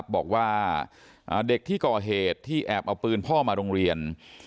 บอกว่าเด็กที่ก่อเหตุที่แอบเอาปืนพ่อมาโรงเรียน